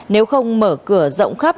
nếu không mở cửa rộng khắp